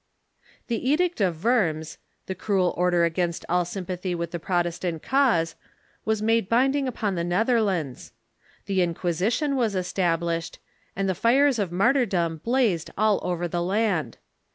Tbe Edict of Worms, the cruel order against all sympathy with the Protestant cause, was made binding upon the Neth erlands. The Inquisition Avas established, and the fires of martyrdom blazed all over the land.